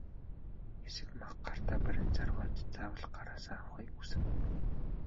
Хэсэг мах гартаа барин сарвайж заавал гараасаа авахыг хүсэв.